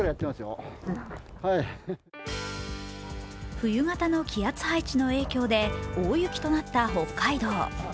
冬型の気圧配置の影響で大雪となった北海道。